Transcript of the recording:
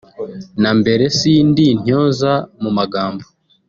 na mbere sindi intyoza mu magambo